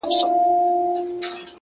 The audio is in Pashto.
دواړه لهٔ يو بل نه چاپېر شو سره